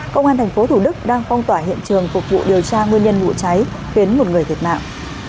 công an tp thủ đức đang phong tỏa hiện trường phục vụ điều tra nguyên nhân vụ cháy khiến một người thiệt mạng